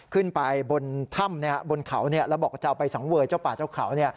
ขึ้นไปบนถ้ำบนเขาแล้วบอกว่าจะเอาไปสังเวยเจ้าป่าเจ้าเขา